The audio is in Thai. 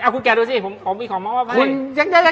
อ้าวคุณแกดูสิผมมีของมาว่าไพ่